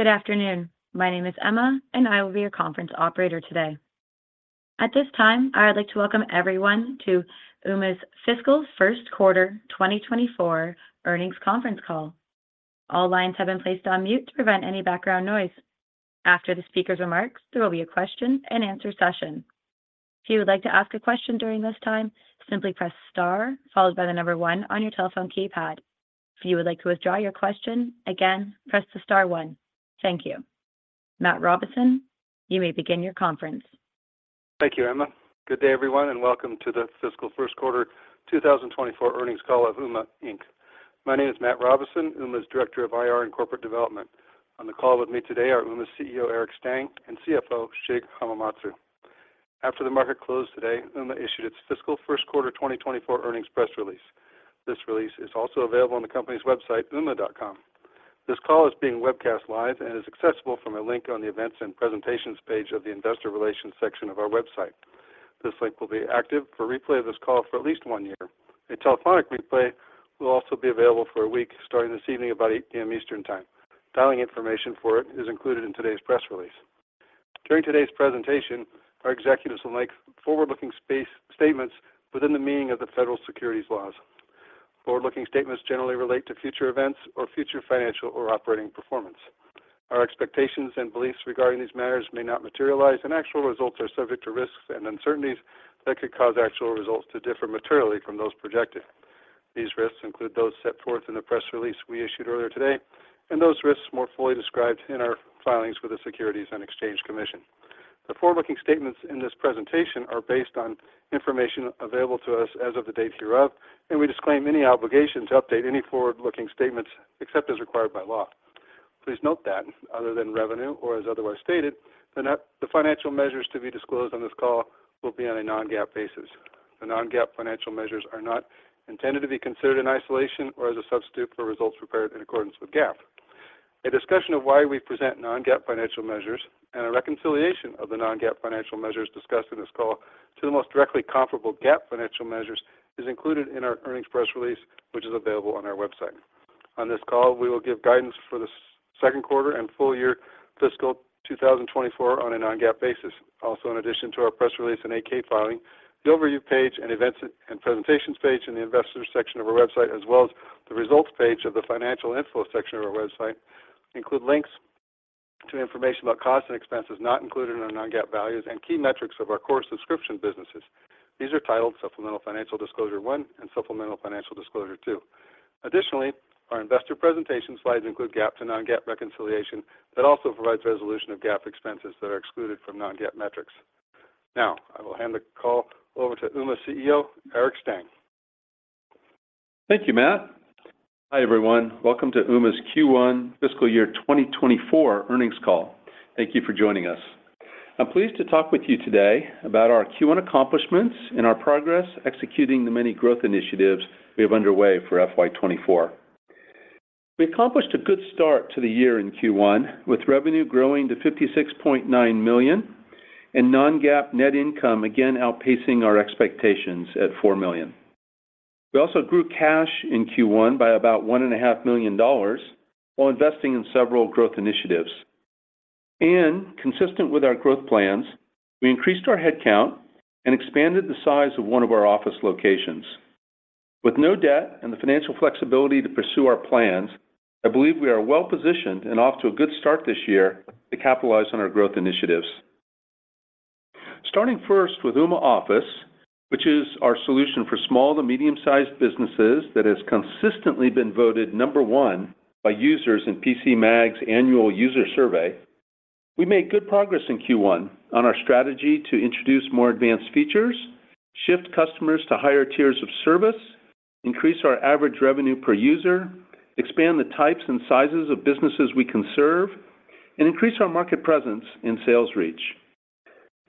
Good afternoon. My name is Emma, and I will be your conference operator today. At this time, I would like to welcome everyone to Ooma's Fiscal First Quarter 2024 Earnings Conference Call. All lines have been placed on mute to prevent any background noise. After the speaker's remarks, there will be a question and answer session. If you would like to ask a question during this time, simply press star followed by one on your telephone keypad. If you would like to withdraw your question, again, press the star one. Thank you. Matt Robison, you may begin your conference. Thank you, Emma. Good day, everyone, and welcome to the fiscal first quarter 2024 earnings call at Ooma, Inc. My name is Matt Robison, Ooma's Director of IR and Corporate Development. On the call with me today are Ooma's CEO, Eric Stang, and CFO, Shig Hamamatsu. After the market closed today, Ooma issued its fiscal first quarter 2024 earnings press release. This release is also available on the company's website, ooma.com. This call is being webcast live and is accessible from a link on the Events and Presentations page of the Investor Relations section of our website. This link will be active for replay of this call for at least one year. A telephonic replay will also be available for one week starting this evening about 8:00 A.M. Eastern Time. Dialing information for it is included in today's press release. During today's presentation, our executives will make forward-looking statements within the meaning of the federal securities laws. Forward-looking statements generally relate to future events or future financial or operating performance. Our expectations and beliefs regarding these matters may not materialize, and actual results are subject to risks and uncertainties that could cause actual results to differ materially from those projected. These risks include those set forth in the press release we issued earlier today and those risks more fully described in our filings with the Securities and Exchange Commission. The forward-looking statements in this presentation are based on information available to us as of the date hereof, and we disclaim any obligation to update any forward-looking statements except as required by law. Please note that other than revenue or as otherwise stated, the financial measures to be disclosed on this call will be on a non-GAAP basis. The non-GAAP financial measures are not intended to be considered in isolation or as a substitute for results prepared in accordance with GAAP. A discussion of why we present non-GAAP financial measures and a reconciliation of the non-GAAP financial measures discussed in this call to the most directly comparable GAAP financial measures is included in our earnings press release, which is available on our website. On this call, we will give guidance for the second quarter and full year fiscal 2024 on a non-GAAP basis. Also, in addition to our press release and 8-K filing, the Overview page and Events and Presentations page in the Investors section of our website, as well as the Results page of the Financial Info section of our website, include links to information about costs and expenses not included in our non-GAAP values and key metrics of our core subscription businesses. These are titled Supplemental Financial Disclosure 1 and Supplemental Financial Disclosure 2. Our investor presentation slides include GAAP to non-GAAP reconciliation that also provides resolution of GAAP expenses that are excluded from non-GAAP metrics. I will hand the call over to Ooma CEO, Eric Stang. Thank you, Matt. Hi, everyone. Welcome to Ooma's Q1 fiscal year 2024 earnings call. Thank you for joining us. I'm pleased to talk with you today about our Q1 accomplishments and our progress executing the many growth initiatives we have underway for FY 2024. We accomplished a good start to the year in Q1, with revenue growing to $56.9 million and non-GAAP net income again outpacing our expectations at $4 million. We also grew cash in Q1 by about one and a half million dollars while investing in several growth initiatives. Consistent with our growth plans, we increased our headcount and expanded the size of one of our office locations. With no debt and the financial flexibility to pursue our plans, I believe we are well-positioned and off to a good start this year to capitalize on our growth initiatives. Starting first with Ooma Office, which is our solution for small to medium-sized businesses that has consistently been voted number one by users in PCMag's annual user survey. We made good progress in Q1 on our strategy to introduce more advanced features, shift customers to higher tiers of service, increase our average revenue per user, expand the types and sizes of businesses we can serve, and increase our market presence and sales reach.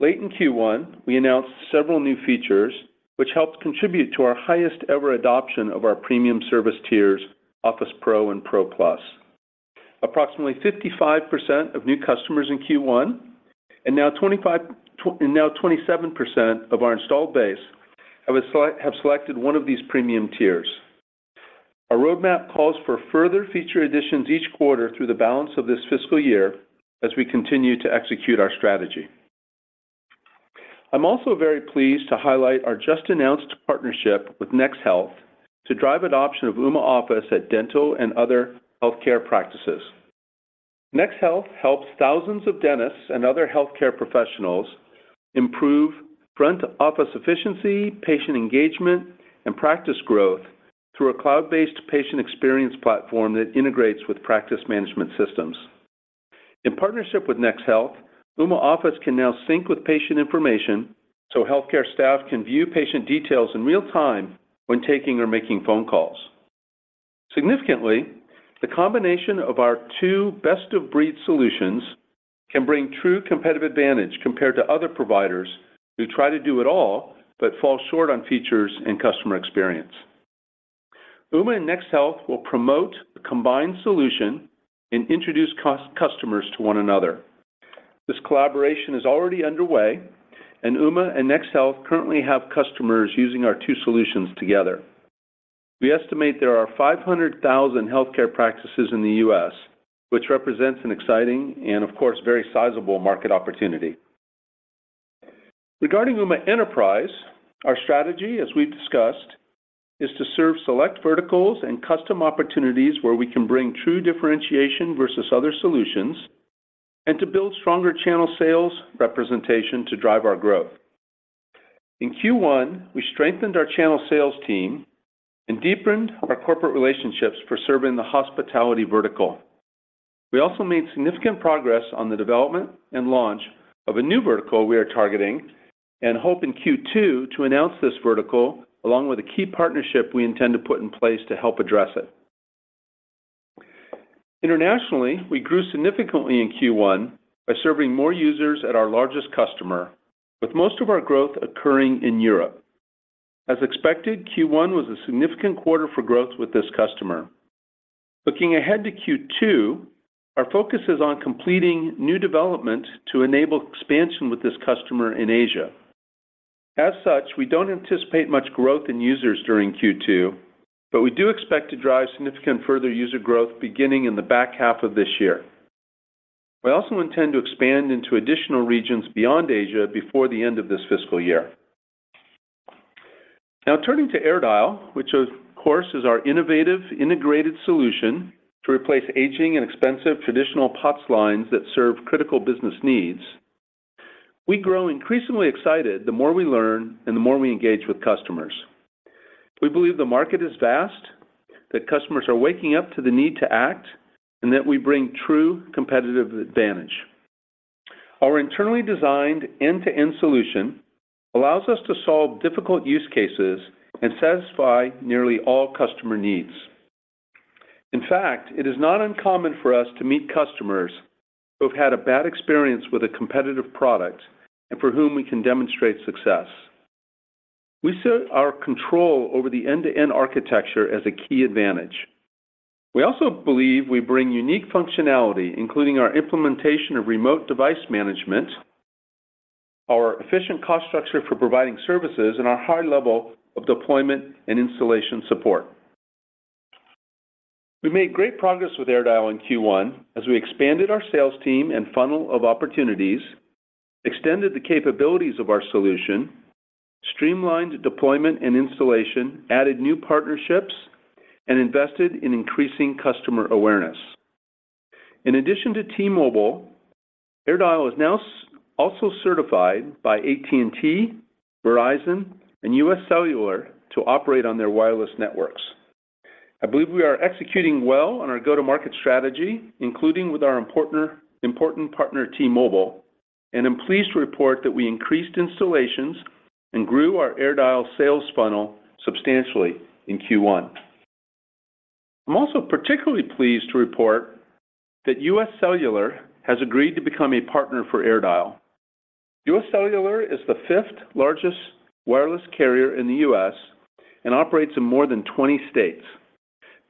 Late in Q1, we announced several new features, which helped contribute to our highest-ever adoption of our premium service tiers, Office Pro and Pro Plus. Approximately 55% of new customers in Q1, and now 27% of our installed base have selected one of these premium tiers. Our roadmap calls for further feature additions each quarter through the balance of this fiscal year as we continue to execute our strategy. I'm also very pleased to highlight our just-announced partnership with NexHealth to drive adoption of Ooma Office at dental and other healthcare practices. NexHealth helps thousands of dentists and other healthcare professionals improve front office efficiency, patient engagement, and practice growth through a cloud-based patient experience platform that integrates with practice management systems. In partnership with NexHealth, Ooma Office can now sync with patient information, so healthcare staff can view patient details in real time when taking or making phone calls. Significantly, the combination of our two best-of-breed solutions can bring true competitive advantage compared to other providers who try to do it all but fall short on features and customer experience. Ooma and NexHealth will promote the combined solution and introduce customers to one another. This collaboration is already underway. Ooma and NexHealth currently have customers using our two solutions together. We estimate there are 500,000 healthcare practices in the U.S., which represents an exciting and of course, very sizable market opportunity. Regarding Ooma Enterprise, our strategy, as we've discussed, is to serve select verticals and custom opportunities where we can bring true differentiation versus other solutions, and to build stronger channel sales representation to drive our growth. In Q1, we strengthened our channel sales team and deepened our corporate relationships for serving the hospitality vertical. We also made significant progress on the development and launch of a new vertical we are targeting, and hope in Q2 to announce this vertical, along with a key partnership we intend to put in place to help address it. Internationally, we grew significantly in Q1 by serving more users at our largest customer, with most of our growth occurring in Europe. As expected, Q1 was a significant quarter for growth with this customer. Looking ahead to Q2, our focus is on completing new development to enable expansion with this customer in Asia. As such, we don't anticipate much growth in users during Q2, but we do expect to drive significant further user growth beginning in the back half of this year. We also intend to expand into additional regions beyond Asia before the end of this fiscal year. Now turning to AirDial, which of course is our innovative integrated solution to replace aging and expensive traditional POTS lines that serve critical business needs. We grow increasingly excited the more we learn and the more we engage with customers. We believe the market is vast, that customers are waking up to the need to act, and that we bring true competitive advantage. Our internally designed end-to-end solution allows us to solve difficult use cases and satisfy nearly all customer needs. In fact, it is not uncommon for us to meet customers who have had a bad experience with a competitive product and for whom we can demonstrate success. We set our control over the end-to-end architecture as a key advantage. We also believe we bring unique functionality, including our implementation of remote device management, our efficient cost structure for providing services, and our high level of deployment and installation support. We made great progress with AirDial in Q1 as we expanded our sales team and funnel of opportunities, extended the capabilities of our solution, streamlined deployment and installation, added new partnerships, and invested in increasing customer awareness. In addition to T-Mobile, AirDial is now also certified by AT&T, Verizon, and UScellular to operate on their wireless networks. I believe we are executing well on our go-to-market strategy, including with our important partner, T-Mobile. I'm pleased to report that we increased installations and grew our AirDial sales funnel substantially in Q1. I'm also particularly pleased to report that UScellular has agreed to become a partner for AirDial. UScellular is the fifth largest wireless carrier in the U.S. and operates in more than 20 states.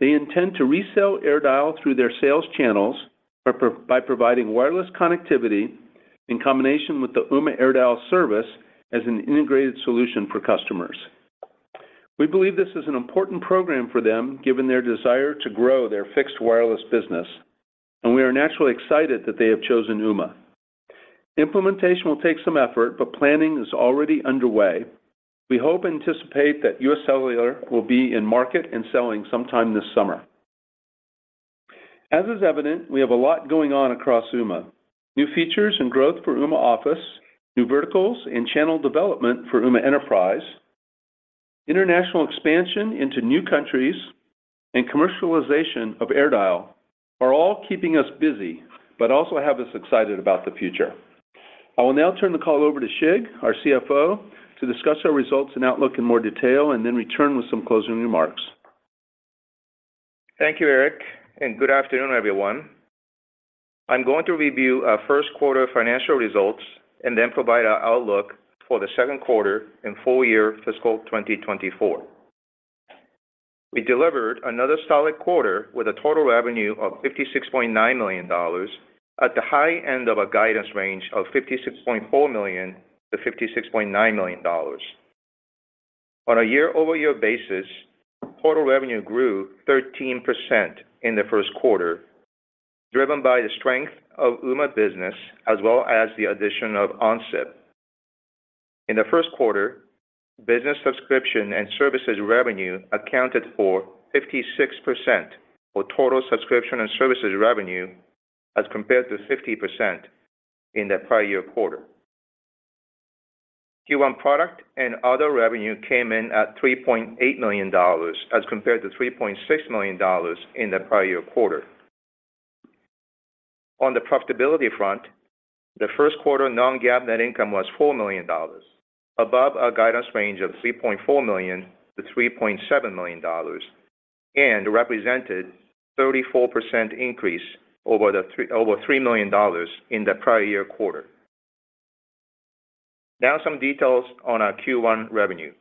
They intend to resell AirDial through their sales channels by providing wireless connectivity in combination with the Ooma AirDial service as an integrated solution for customers. We believe this is an important program for them, given their desire to grow their fixed wireless business. We are naturally excited that they have chosen Ooma. Implementation will take some effort, planning is already underway. We hope and anticipate that UScellular will be in market and selling sometime this summer. As is evident, we have a lot going on across Ooma. New features and growth for Ooma Office, new verticals and channel development for Ooma Enterprise, international expansion into new countries, and commercialization of Ooma AirDial are all keeping us busy, but also have us excited about the future. I will now turn the call over to Shig, our CFO, to discuss our results and outlook in more detail and then return with some closing remarks. Thank you, Eric. Good afternoon, everyone. I'm going to review our first quarter financial results and then provide our outlook for the second quarter and full year fiscal 2024. We delivered another solid quarter with a total revenue of $56.9 million at the high end of our guidance range of $56.4 million-$56.9 million. On a year-over-year basis, total revenue grew 13% in the first quarter, driven by the strength of Ooma business as well as the addition of OnSIP. In the first quarter, business subscription and services revenue accounted for 56% of total subscription and services revenue as compared to 50% in the prior year quarter. Q1 product and other revenue came in at $3.8 million as compared to $3.6 million in the prior year quarter. On the profitability front, the first quarter non-GAAP net income was $4 million, above our guidance range of $3.4 million-$3.7 million, and represented a 34% increase over $3 million in the prior year quarter. Some details on our Q1 revenue.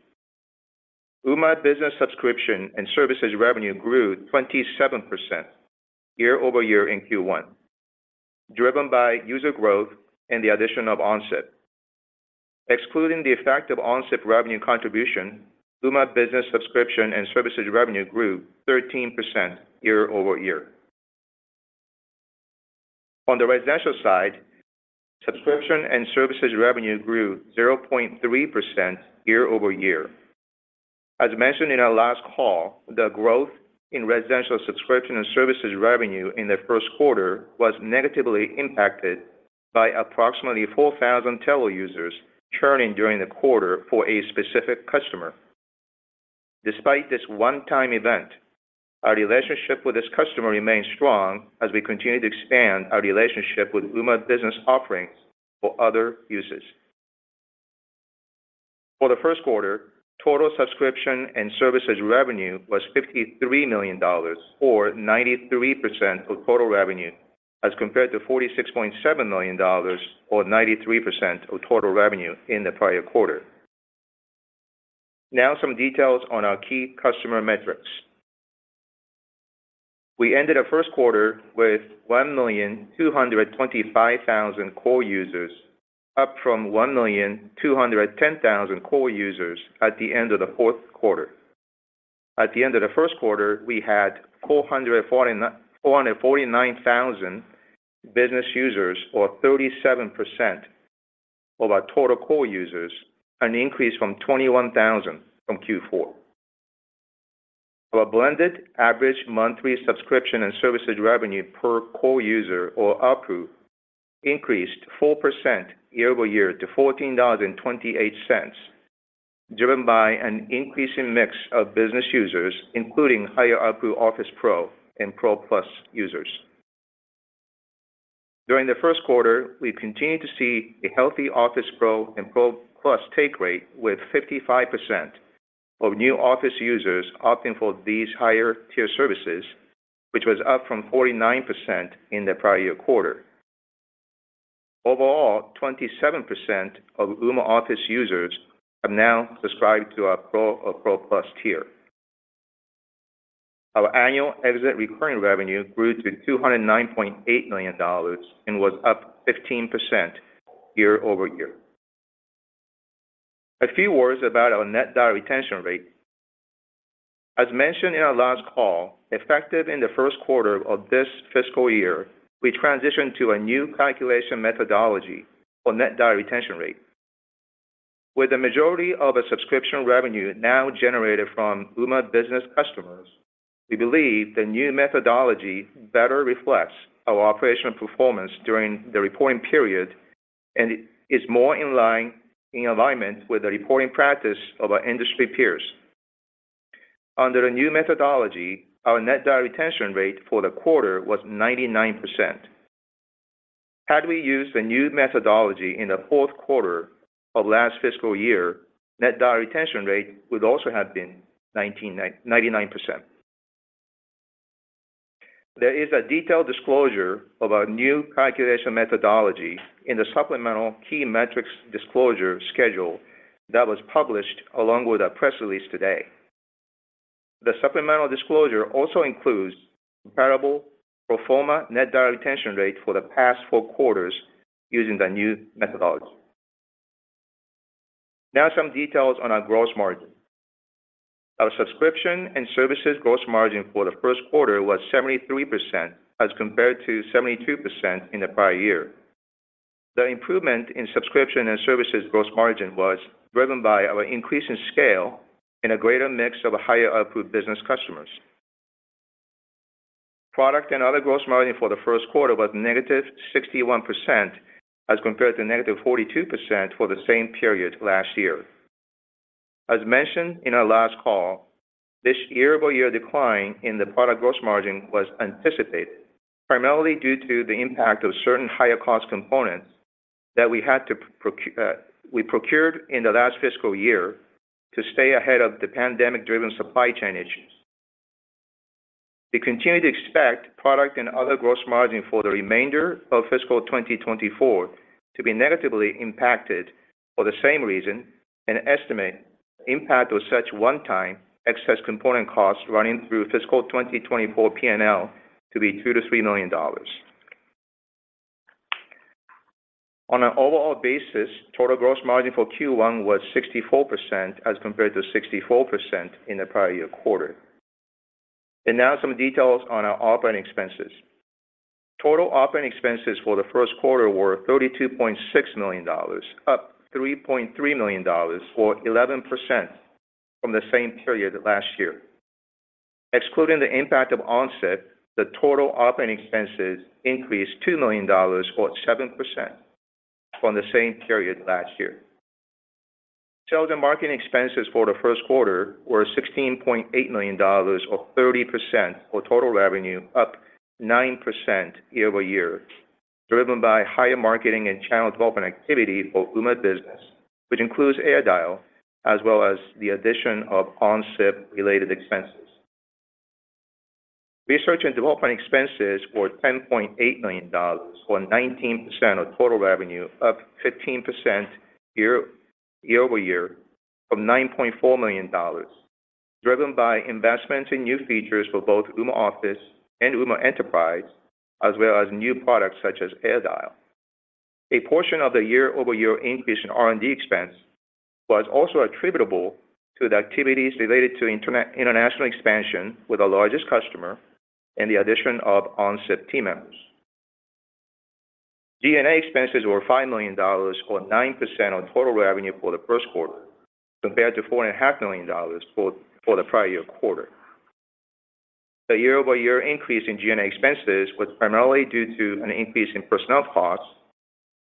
Ooma business subscription and services revenue grew 27% year-over-year in Q1, driven by user growth and the addition of OnSIP. Excluding the effect of OnSIP revenue contribution, Ooma business subscription and services revenue grew 13% year-over-year. On the residential side, subscription and services revenue grew 0.3% year-over-year. As mentioned in our last call, the growth in residential subscription and services revenue in the first quarter was negatively impacted by approximately 4,000 Telo users churning during the quarter for a specific customer. Despite this one-time event, our relationship with this customer remains strong as we continue to expand our relationship with Ooma business offerings for other uses. For the first quarter, total subscription and services revenue was $53 million or 93% of total revenue as compared to $46.7 million or 93% of total revenue in the prior quarter. Some details on our key customer metrics. We ended the first quarter with 1,225,000 core users, up from 1,210,000 core users at the end of the fourth quarter. At the end of the first quarter, we had 449,000 business users or 37% of our total core users, an increase from 21,000 from Q4. Our blended average monthly subscription and services revenue per core user or ARPU increased 4% year-over-year to $14.28, driven by an increasing mix of business users, including higher ARPU Office Pro and Pro Plus users. During the first quarter, we continued to see a healthy Office Pro and Pro Plus take rate with 55% of new Office users opting for these higher tier services, which was up from 49% in the prior year quarter. Overall, 27% of Ooma Office users have now subscribed to our Pro or Pro Plus tier. Our annual exit recurring revenue grew to $209.8 million and was up 15% year-over-year. A few words about our net dollar retention rate. As mentioned in our last call, effective in the first quarter of this fiscal year, we transitioned to a new calculation methodology for net dollar retention rate. With the majority of a subscription revenue now generated from Ooma business customers, we believe the new methodology better reflects our operational performance during the reporting period and is more in alignment with the reporting practice of our industry peers. Under the new methodology, our net dollar retention rate for the quarter was 99%. Had we used the new methodology in the fourth quarter of last fiscal year, net dollar retention rate would also have been 99%. There is a detailed disclosure of our new calculation methodology in the Supplemental Key Metrics Disclosure Schedule that was published along with our press release today. The supplemental disclosure also includes comparable pro forma net dollar retention rate for the past four quarters using the new methodology. Some details on our gross margin. Our subscription and services gross margin for the first quarter was 73% as compared to 72% in the prior year. The improvement in subscription and services gross margin was driven by our increase in scale and a greater mix of higher ARPU business customers. Product and other gross margin for the first quarter was negative 61% as compared to negative 42% for the same period last year. As mentioned in our last call, this year-over-year decline in the product gross margin was anticipated, primarily due to the impact of certain higher cost components that we procured in the last fiscal year to stay ahead of the pandemic-driven supply chain issues. We continue to expect product and other gross margin for the remainder of fiscal 2024 to be negatively impacted for the same reason and estimate impact of such one-time excess component costs running through fiscal 2024 P&L to be $2 million-$3 million. On an overall basis, total gross margin for Q1 was 64% as compared to 64% in the prior year quarter. Now some details on our operating expenses. Total operating expenses for the first quarter were $32.6 million, up $3.3 million or 11% from the same period last year. Excluding the impact of OnSIP, the total operating expenses increased $2 million or 7% from the same period last year. Sales and marketing expenses for the first quarter were $16.8 million or 30% of total revenue up 9% year-over-year, driven by higher marketing and channel development activity for Ooma Business, which includes AirDial as well as the addition of OnSIP-related expenses. Research and development expenses were $10.8 million or 19% of total revenue, up 15% year-over-year from $9.4 million. Driven by investments in new features for both Ooma Office and Ooma Enterprise, as well as new products such as AirDial. A portion of the year-over-year increase in R&D expense was also attributable to the activities related to international expansion with our largest customer and the addition of OnSIP team members. G&A expenses were $5 million or 9% of total revenue for the first quarter, compared to four and a half million dollars for the prior year quarter. The year-over-year increase in G&A expenses was primarily due to an increase in personnel costs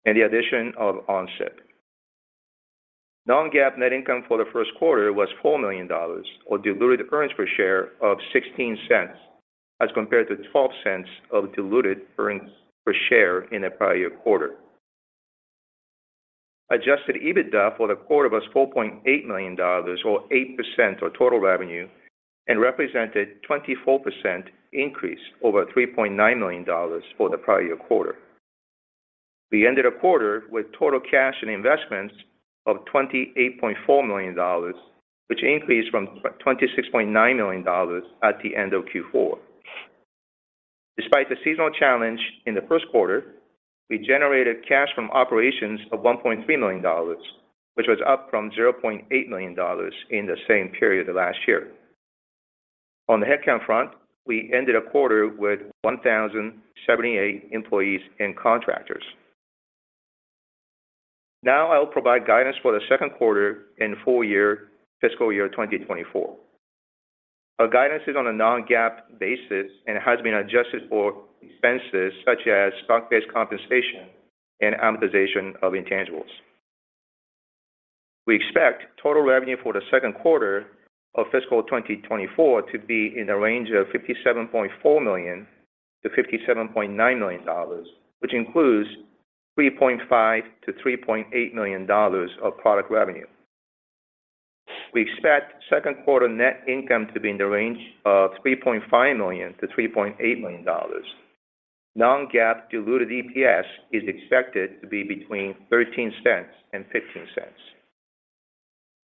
and the addition of OnSIP. Non-GAAP net income for the first quarter was $4 million or diluted earnings per share of $0.16 as compared to $0.12 of diluted earnings per share in the prior year quarter. Adjusted EBITDA for the quarter was $4.8 million or 8% of total revenue and represented 24% increase over $3.9 million for the prior year quarter. We ended the quarter with total cash and investments of $28.4 million, which increased from $26.9 million at the end of Q4. Despite the seasonal challenge in the first quarter, we generated cash from operations of $1.3 million, which was up from $0.8 million in the same period last year. On the headcount front, we ended the quarter with 1,078 employees and contractors. Now I'll provide guidance for the second quarter and full year fiscal year 2024. Our guidance is on a non-GAAP basis and has been adjusted for expenses such as stock-based compensation and amortization of intangibles. We expect total revenue for the second quarter of fiscal 2024 to be in the range of $57.4 million-$57.9 million, which includes $3.5 million-$3.8 million of product revenue. We expect second quarter net income to be in the range of $3.5 million-$3.8 million. non-GAAP diluted EPS is expected to be between $0.13 and $0.15.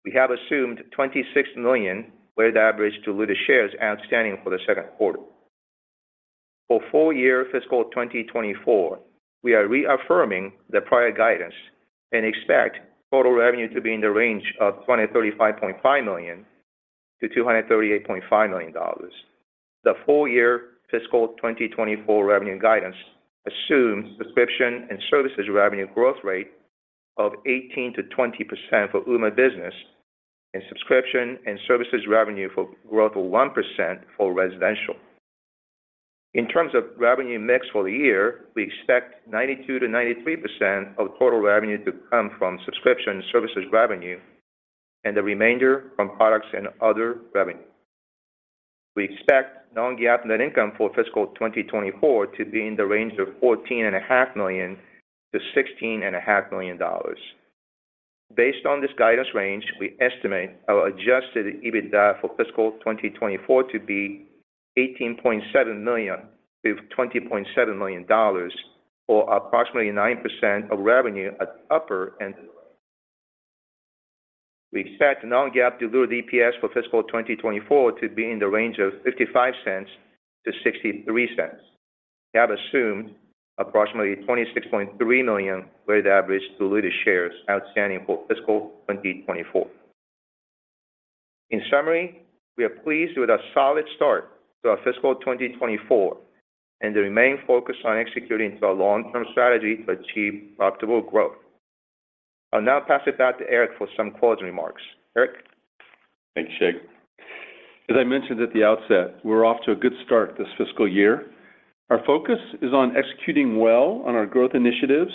We have assumed 26 million weighted average diluted shares outstanding for the second quarter. For full year fiscal 2024, we are reaffirming the prior guidance and expect total revenue to be in the range of $235.5 million-$238.5 million. The full year fiscal 2024 revenue guidance assumes subscription and services revenue growth rate of 18%-20% for Ooma Business and subscription and services revenue for growth of 1% for residential. In terms of revenue mix for the year, we expect 92%-93% of total revenue to come from subscription services revenue and the remainder from products and other revenue. We expect non-GAAP net income for fiscal 2024 to be in the range of $14.5 million-$16.5 million. Based on this guidance range, we estimate our adjusted EBITDA for fiscal 2024 to be $18.7 million-$20.7 million or approximately 9% of revenue at upper end. We expect non-GAAP diluted EPS for fiscal 2024 to be in the range of $0.55-$0.63. We have assumed approximately 26.3 million weighted average diluted shares outstanding for fiscal 2024. In summary, we are pleased with a solid start to our fiscal 2024 and remain focused on executing to our long-term strategy to achieve profitable growth. I'll now pass it back to Eric for some closing remarks. Eric? Thanks, Shig. As I mentioned at the outset, we're off to a good start this fiscal year. Our focus is on executing well on our growth initiatives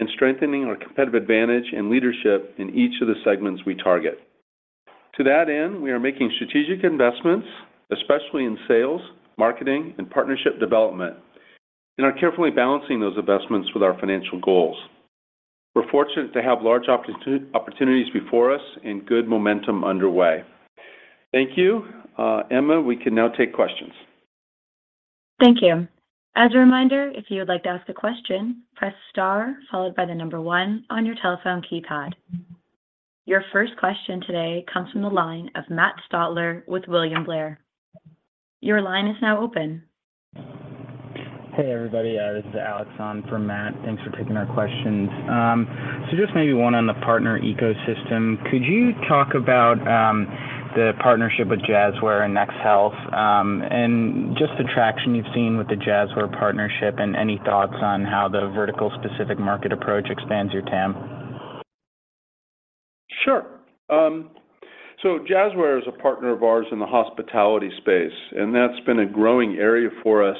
and strengthening our competitive advantage and leadership in each of the segments we target. To that end, we are making strategic investments, especially in sales, marketing, and partnership development, and are carefully balancing those investments with our financial goals. We're fortunate to have large opportunities before us and good momentum underway. Thank you. Emma, we can now take questions. Thank you. As a reminder, if you would like to ask a question, press star followed by one on your telephone keypad. Your first question today comes from the line of Matt Stotler with William Blair. Your line is now open. Hey, everybody. This is Alex on for Matt. Thanks for taking our questions. Just maybe one on the partner ecosystem. Could you talk about the partnership with Jazzware and NexHealth and just the traction you've seen with the Jazzware partnership and any thoughts on how the vertical specific market approach expands your TAM? Sure. Jazzware is a partner of ours in the hospitality space, and that's been a growing area for us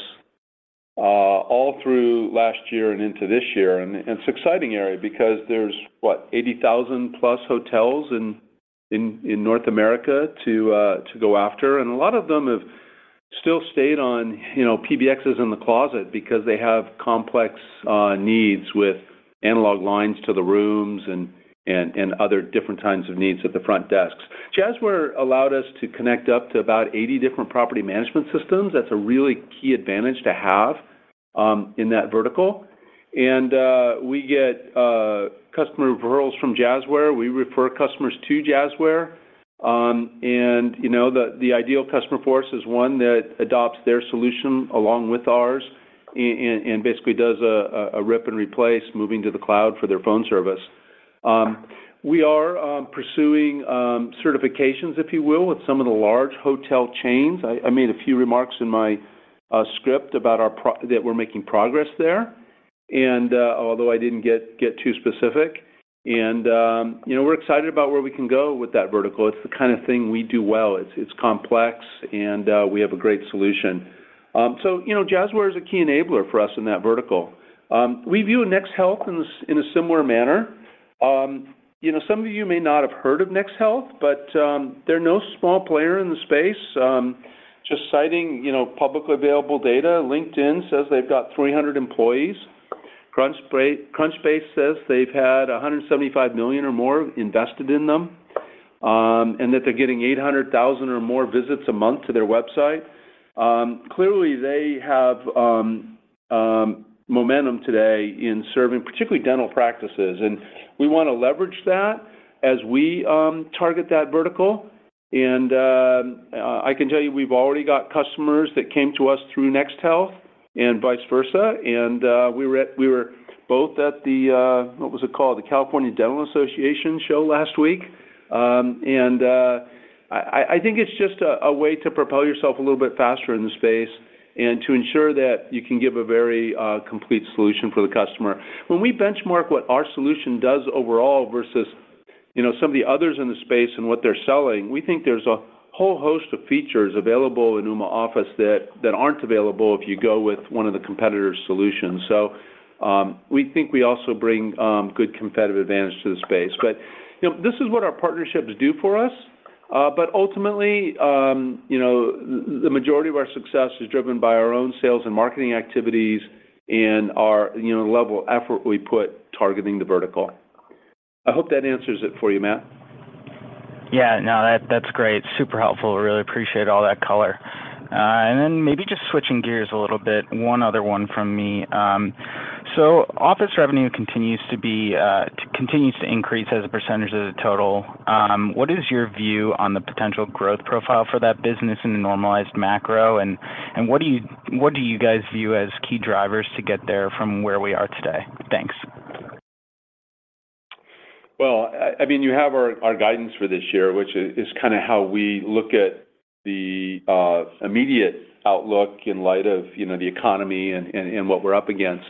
all through last year and into this year. It's an exciting area because there's, what, 80,000 plus hotels in North America to go after. A lot of them have still stayed on, you know, PBXs in the closet because they have complex needs with analog lines to the rooms and other different kinds of needs at the front desks. Jazzware allowed us to connect up to about 80 different property management systems. That's a really key advantage to have in that vertical. We get customer referrals from Jazzware. We refer customers to Jazzware. You know, the ideal customer for us is one that adopts their solution along with ours and basically does a rip and replace moving to the cloud for their phone service. We are pursuing certifications, if you will, with some of the large hotel chains. I made a few remarks in my script about our pro-- that we're making progress there. Although I didn't get too specific. You know, we're excited about where we can go with that vertical. It's the kind of thing we do well. It's complex, and we have a great solution. You know, Jazzware is a key enabler for us in that vertical. We view NexHealth in a similar manner. You know, some of you may not have heard of NexHealth, but they're no small player in the space. Just citing, you know, publicly available data, LinkedIn says they've got 300 employees. Crunchbase says they've had $175 million or more invested in them, and that they're getting 800,000 or more visits a month to their website. Clearly they have momentum today in serving particularly dental practices, and we wanna leverage that as we target that vertical. I can tell you we've already got customers that came to us through NexHealth and vice versa. We were both at the, what was it called? The California Dental Association show last week. I think it's just a way to propel yourself a little bit faster in the space and to ensure that you can give a very complete solution for the customer. When we benchmark what our solution does overall versus some of the others in the space and what they're selling, we think there's a whole host of features available in Ooma Office that aren't available if you go with one of the competitors' solutions. We think we also bring good competitive advantage to the space. This is what our partnerships do for us. Ultimately, the majority of our success is driven by our own sales and marketing activities and our level of effort we put targeting the vertical. I hope that answers it for you, Matt. Yeah. No, that's great. Super helpful. Really appreciate all that color. Then maybe just switching gears a little bit, one other one from me. Office revenue continues to be, continues to increase as a percentage of the total. What is your view on the potential growth profile for that business in a normalized macro? What do you, what do you guys view as key drivers to get there from where we are today? Thanks. Well, I mean, you have our guidance for this year, which is kinda how we look at the immediate outlook in light of, you know, the economy and what we're up against.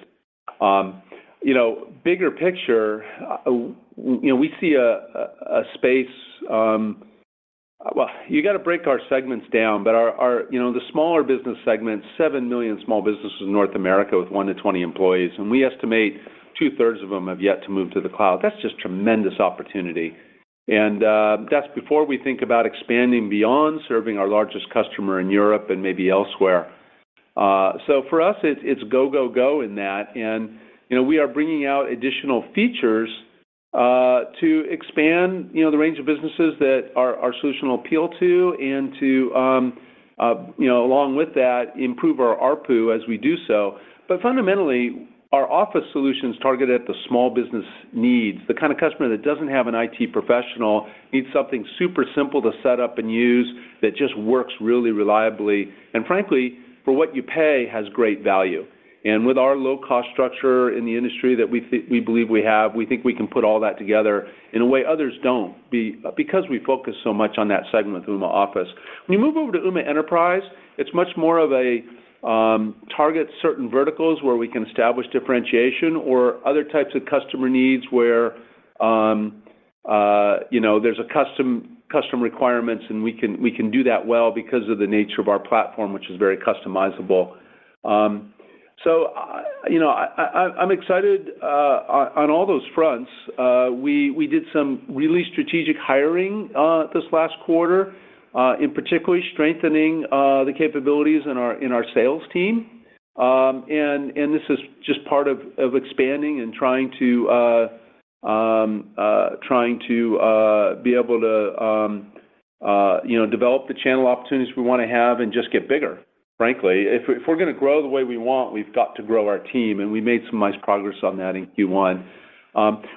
You know, bigger picture, we, you know, we see a space. Well, you gotta break our segments down, but our, you know, the smaller business segment, 7 million small businesses in North America with 1 to 20 employees, and we estimate two-thirds of them have yet to move to the cloud. That's just tremendous opportunity. That's before we think about expanding beyond serving our largest customer in Europe and maybe elsewhere. For us, it's go, go in that. You know, we are bringing out additional features, to expand, you know, the range of businesses that our solution will appeal to and to, you know, along with that, improve our ARPU as we do so. Fundamentally, our Office solution's targeted at the small business needs, the kind of customer that doesn't have an IT professional, needs something super simple to set up and use that just works really reliably, and frankly, for what you pay, has great value. With our low cost structure in the industry that we believe we have, we think we can put all that together in a way others don't because we focus so much on that segment with Ooma Office. When you move over to Ooma Enterprise, it's much more of a target certain verticals where we can establish differentiation or other types of customer needs where, you know, there's a custom requirements, and we can do that well because of the nature of our platform, which is very customizable. You know, I'm excited on all those fronts. We did some really strategic hiring this last quarter, in particularly strengthening the capabilities in our sales team. And this is just part of expanding and trying to be able to, you know, develop the channel opportunities we wanna have and just get bigger, frankly. If we're gonna grow the way we want, we've got to grow our team. We made some nice progress on that in Q1.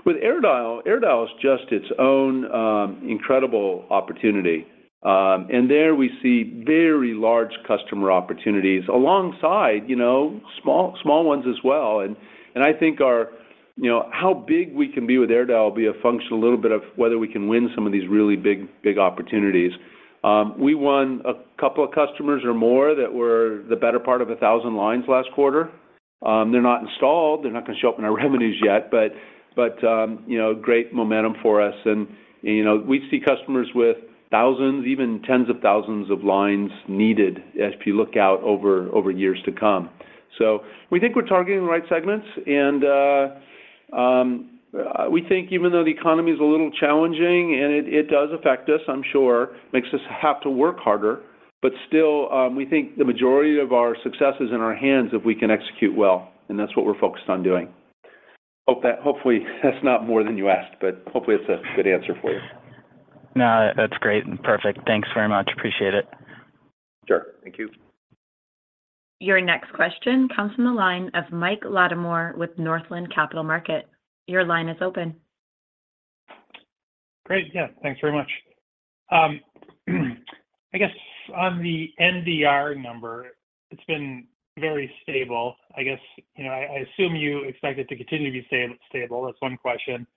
With AirDial is just its own incredible opportunity. There we see very large customer opportunities alongside, you know, small ones as well. I think our, you know, how big we can be with AirDial will be a function a little bit of whether we can win some of these really big opportunities. We won a couple of customers or more that were the better part of 1,000 lines last quarter. They're not installed, they're not gonna show up in our revenues yet, but, you know, great momentum for us. You know, we see customers with thousands, even tens of thousands of lines needed as you look out over years to come. We think we're targeting the right segments, and we think even though the economy's a little challenging, and it does affect us, I'm sure, makes us have to work harder, but still, we think the majority of our success is in our hands if we can execute well, and that's what we're focused on doing. Hope that hopefully that's not more than you asked, but hopefully it's a good answer for you. No, that's great and perfect. Thanks very much. Appreciate it. Sure. Thank you. Your next question comes from the line of Michael Latimore with Northland Capital Markets. Your line is open. Great. Yeah, thanks very much. I guess on the NDR number, it's been very stable. I guess, you know, I assume you expect it to continue to be stable. That's 1 question.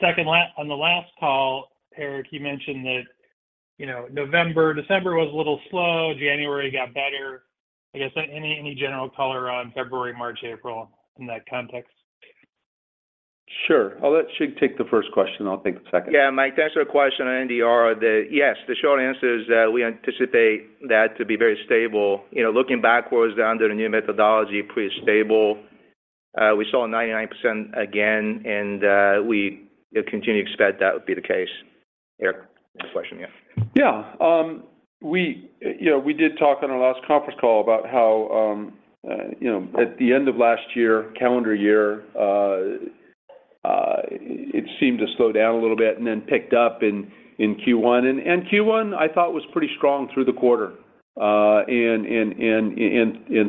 Second on the last call, Eric, you mentioned that, you know, November, December was a little slow. January got better. I guess, any general color on February, March, April in that context? Sure. I'll let Shig take the first question. I'll take the second. Yeah, Mike, thanks for the question on NDR. Yes, the short answer is that we anticipate that to be very stable. You know, looking backwards under the new methodology, pretty stable. We saw 99% again, and we continue to expect that would be the case. Eric, next question, yeah. Yeah. We, you know, we did talk on our last conference call about how, you know, at the end of last year, calendar year, it seemed to slow down a little bit and then picked up in Q1. Q1, I thought was pretty strong through the quarter and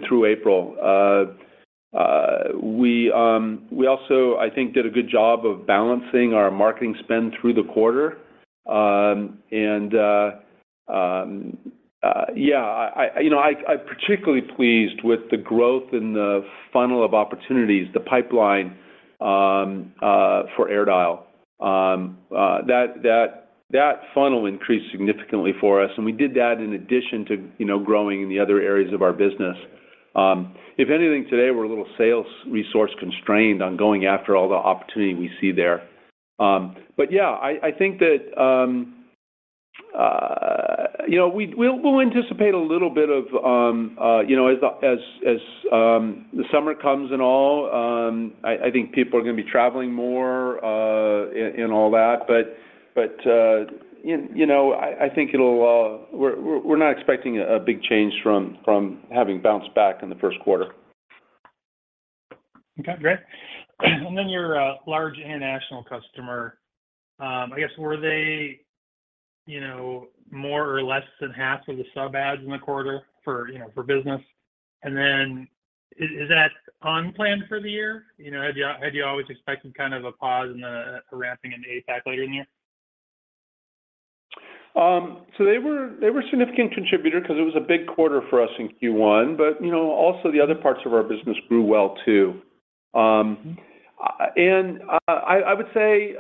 through April. We also, I think, did a good job of balancing our marketing spend through the quarter. Yeah, I, you know, I'm particularly pleased with the growth in the funnel of opportunities, the pipeline, for AirDial. That funnel increased significantly for us, and we did that in addition to, you know, growing in the other areas of our business. If anything, today we're a little sales resource-constrained on going after all the opportunity we see there. Yeah, I think that, you know, we'll anticipate a little bit of, you know, as the summer comes and all, I think people are gonna be traveling more, and all that. You know, I think it'll. We're not expecting a big change from having bounced back in the first quarter. Okay, great. Your large international customer, I guess, were they, you know, more or less than half of the sub adds in the quarter for, you know, for business? Is that unplanned for the year? You know, had you always expected kind of a pause in the ramping in APAC later in the year? They were a significant contributor 'cause it was a big quarter for us in Q1. You know, also the other parts of our business grew well, too. I would say,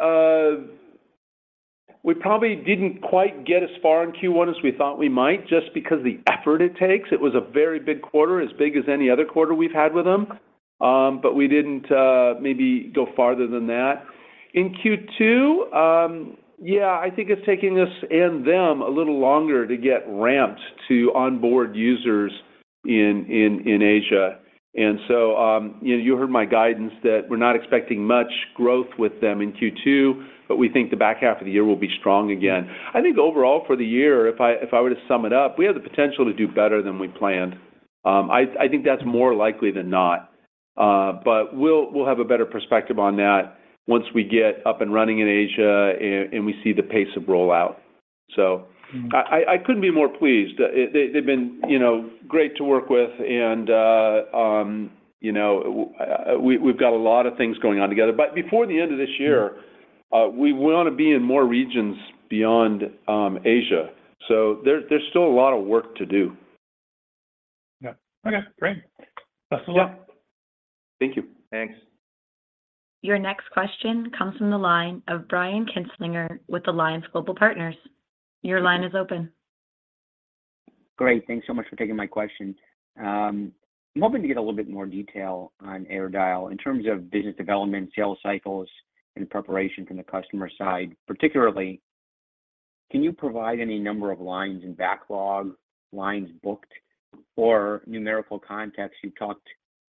we probably didn't quite get as far in Q1 as we thought we might just because the effort it takes. It was a very big quarter, as big as any other quarter we've had with them. We didn't maybe go farther than that. In Q2, yeah, I think it's taking us and them a little longer to get ramped to onboard users in Asia. You know, you heard my guidance that we're not expecting much growth with them in Q2, but we think the back half of the year will be strong again. I think overall for the year, if I were to sum it up, we have the potential to do better than we planned. I think that's more likely than not. We'll have a better perspective on that once we get up and running in Asia and we see the pace of rollout, so. Mm-hmm. I couldn't be more pleased. They've been, you know, great to work with and, you know, we've got a lot of things going on together. Before the end of this year. Mm-hmm... we wanna be in more regions beyond Asia. There's still a lot of work to do. Yeah. Okay, great. Best of luck. Yeah. Thank you. Thanks. Your next question comes from the line of Brian Kinstlinger with Alliance Global Partners. Your line is open. Great. Thanks so much for taking my question. I'm hoping to get a little bit more detail on AirDial in terms of business development, sales cycles, and preparation from the customer side. Particularly, can you provide any number of lines in backlog, lines booked for numerical context? You talked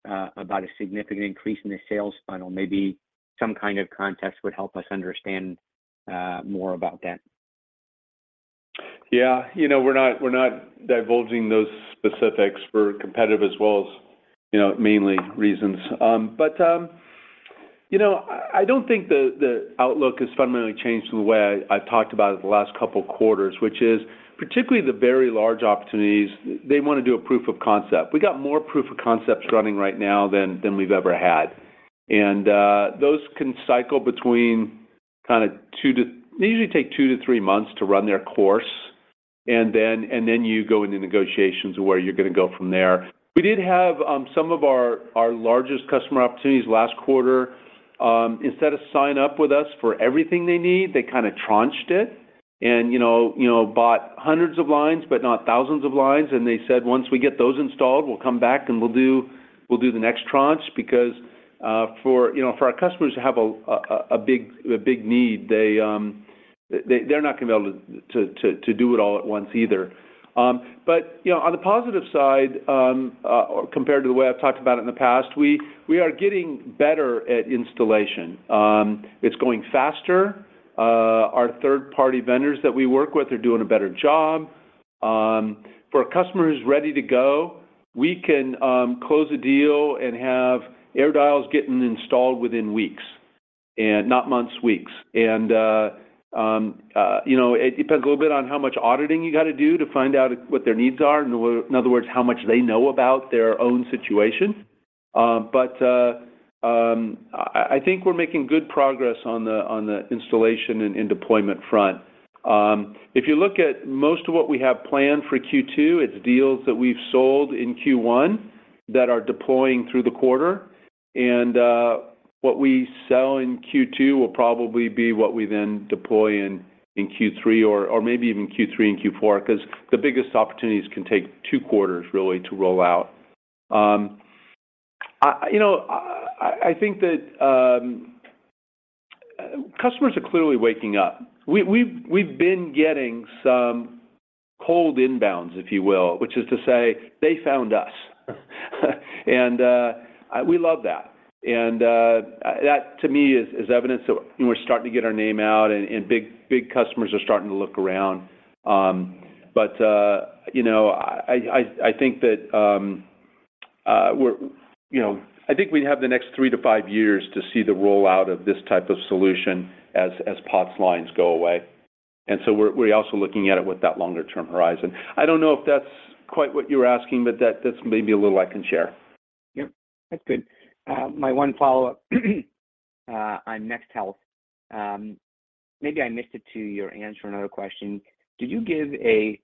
about a significant increase in the sales funnel. Maybe some kind of context would help us understand more about that. You know, we're not divulging those specifics for competitive as well as, you know, mainly reasons. You know, I don't think the outlook has fundamentally changed from the way I've talked about it the last couple of quarters, which is particularly the very large opportunities, they want to do a proof of concept. We got more proof of concepts running right now than we've ever had. Those can cycle between they usually take 2-3 months to run their course, and then you go into negotiations of where you're gonna go from there. We did have some of our largest customer opportunities last quarter, instead of sign up with us for everything they need, they kinda tranched it and, you know, bought hundreds of lines, but not thousands of lines. They said, "Once we get those installed, we'll come back, and we'll do the next tranche." For, you know, for our customers to have a big need, they're not gonna be able to do it all at once either. You know, on the positive side, compared to the way I've talked about it in the past, we are getting better at installation. It's going faster. Our third-party vendors that we work with are doing a better job. For a customer who's ready to go, we can close a deal and have AirDial getting installed within weeks. Not months, weeks. You know, it depends a little bit on how much auditing you gotta do to find out what their needs are, in other words, how much they know about their own situation. I think we're making good progress on the, on the installation and deployment front. If you look at most of what we have planned for Q2, it's deals that we've sold in Q1 that are deploying through the quarter. What we sell in Q2 will probably be what we then deploy in Q3 or maybe even Q3 and Q4, 'cause the biggest opportunities can take 2 quarters really to roll out. I, you know, I think that customers are clearly waking up. We've been getting some cold inbounds, if you will, which is to say they found us. We love that. That to me is evidence that we're starting to get our name out and big customers are starting to look around. You know, I think we have the next 3 to 5 years to see the rollout of this type of solution as POTS lines go away. We're also looking at it with that longer term horizon. I don't know if that's quite what you were asking, but that's maybe a little I can share. Yep. That's good. My one follow-up on NexHealth, maybe I missed it to your answer on another question, did you give a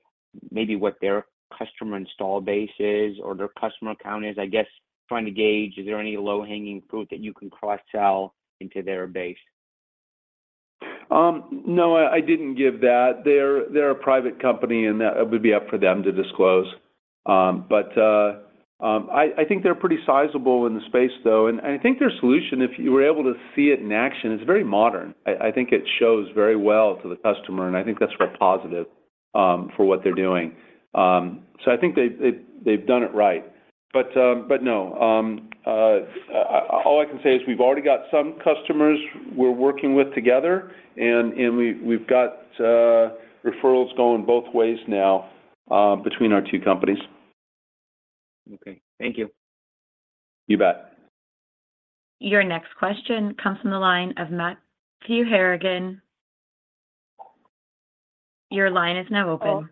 maybe what their customer install base is or their customer count is? I guess trying to gauge, is there any low-hanging fruit that you can cross-sell into their base? No, I didn't give that. They're, they're a private company, and that would be up for them to disclose. But, I think they're pretty sizable in the space though. I think their solution, if you were able to see it in action, it's very modern. I think it shows very well to the customer, and I think that's quite positive for what they're doing. I think they've done it right. But no, all I can say is we've already got some customers we're working with together and we've got referrals going both ways now between our two companies. Okay. Thank you. You bet. Your next question comes from the line of Matthew Harrigan. Your line is now open.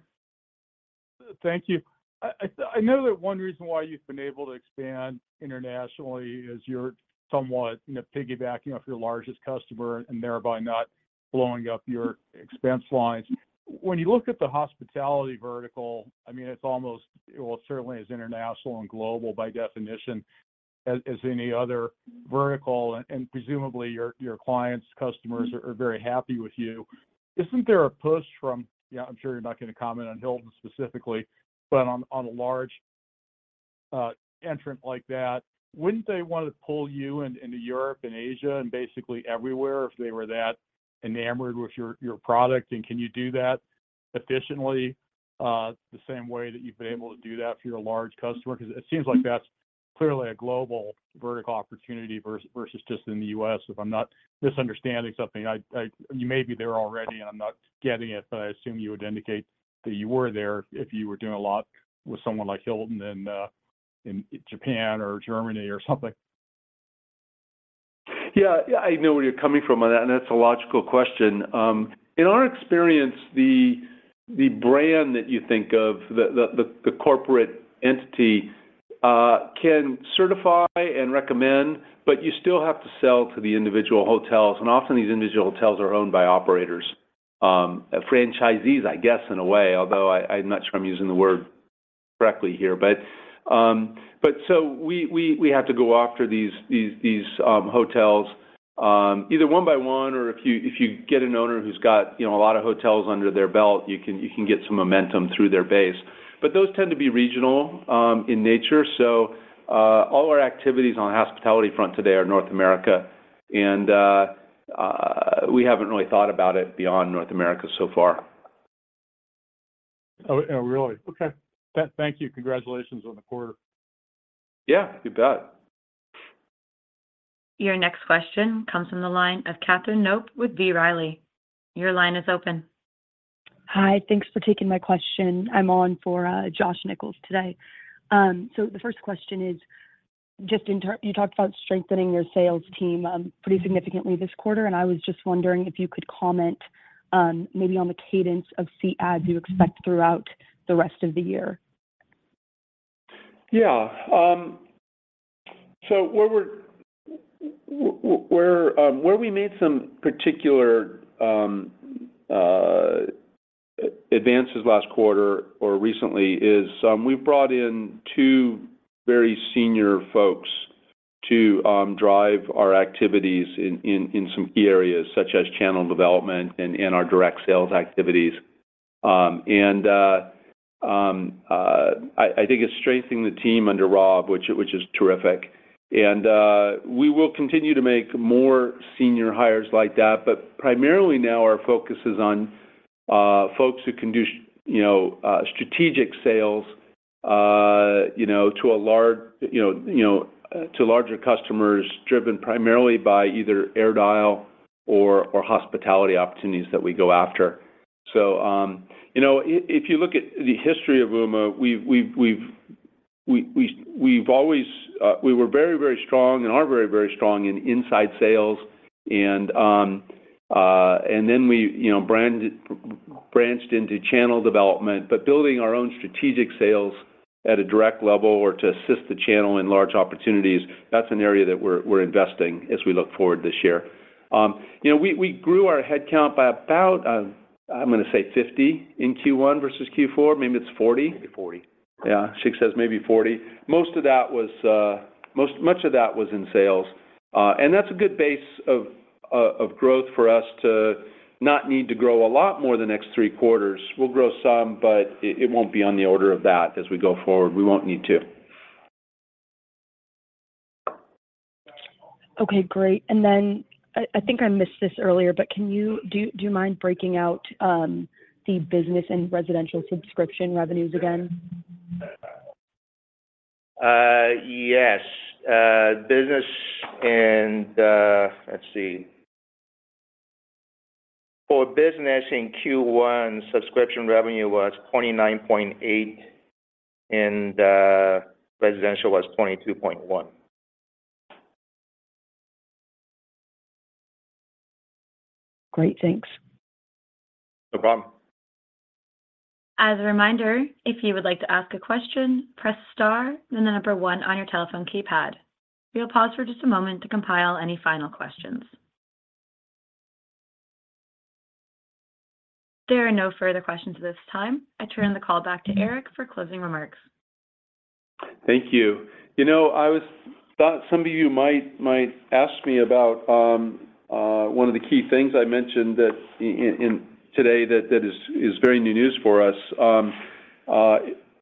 Thank you. I know that one reason why you've been able to expand internationally is you're somewhat, you know, piggybacking off your largest customer and thereby not blowing up your expense lines. When you look at the hospitality vertical, I mean, well, it certainly is international and global by definition as any other vertical, and presumably your clients, customers are very happy with you. Yeah, I'm sure you're not gonna comment on Hilton specifically, but on a large entrant like that, wouldn't they wanna pull you into Europe and Asia and basically everywhere if they were that enamored with your product? Can you do that efficiently, the same way that you've been able to do that for your large customer? Cause it seems like that's clearly a global vertical opportunity versus just in the US, if I'm not misunderstanding something. You may be there already, and I'm not getting it, but I assume you would indicate that you were there if you were doing a lot with someone like Hilton in Japan or Germany or something. Yeah. I know where you're coming from on that. That's a logical question. In our experience, the brand that you think of, the corporate entity, can certify and recommend, but you still have to sell to the individual hotels, and often these individual hotels are owned by operators, franchisees, I guess, in a way, although I'm not sure I'm using the word correctly here. So we have to go after these hotels either one by one, or if you get an owner who's got, you know, a lot of hotels under their belt, you can get some momentum through their base. Those tend to be regional in nature. All our activities on the hospitality front today are North America. We haven't really thought about it beyond North America so far. Oh, really? Okay. Thank you. Congratulations on the quarter. Yeah. You bet. Your next question comes from the line of Katharine Knop with B. Riley. Your line is open. Hi. Thanks for taking my question. I'm on for Josh Nichols today. The first question is, just You talked about strengthening your sales team, pretty significantly this quarter, and I was just wondering if you could comment, maybe on the cadence of C adds you expect throughout the rest of the year. Yeah. Where we made some particular advances last quarter or recently is, we've brought in two very senior folks to drive our activities in some key areas, such as channel development and our direct sales activities. I think it's strengthening the team under Rob, which is terrific. We will continue to make more senior hires like that, but primarily now our focus is on folks who can do you know, strategic sales. You know, to a large... You know, to larger customers driven primarily by either AirDial or hospitality opportunities that we go after. If you look at the history of Ooma, we've... We've always... We were very, very strong and are very, very strong in inside sales, and then we, you know, branched into channel development. Building our own strategic sales at a direct level or to assist the channel in large opportunities, that's an area that we're investing as we look forward this year. You know, we grew our headcount by about, I'm gonna say 50 in Q1 versus Q4. Maybe it's 40. Maybe 40. Yeah. Shig says maybe 40. Much of that was in sales. That's a good base of growth for us to not need to grow a lot more the next three quarters. We'll grow some, but it won't be on the order of that as we go forward. We won't need to. Okay, great. I think I missed this earlier, but do you mind breaking out the business and residential subscription revenues again? Yes. Business and, Let's see. For business in Q1, subscription revenue was $29.8, and residential was $22.1. Great. Thanks. No problem. As a reminder, if you would like to ask a question, press star then the number one on your telephone keypad. We'll pause for just a moment to compile any final questions. There are no further questions at this time. I turn the call back to Eric for closing remarks. Thank you. You know, I thought some of you might ask me about one of the key things I mentioned that in today that is very new news for us.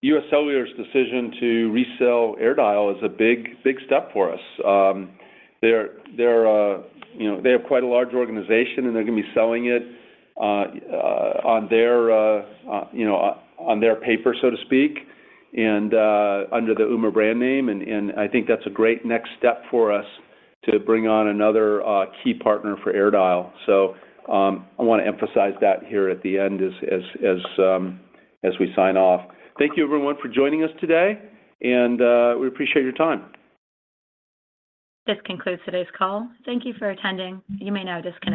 UScellular's decision to resell AirDial is a big step for us. They're, you know, they have quite a large organization, and they're gonna be selling it on their, you know, on their paper, so to speak, and under the Ooma brand name. I think that's a great next step for us to bring on another key partner for AirDial. I wanna emphasize that here at the end as we sign off. Thank you everyone for joining us today, and we appreciate your time. This concludes today's call. Thank you for attending. You may now disconnect.